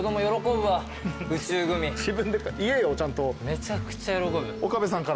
めちゃくちゃ喜ぶ。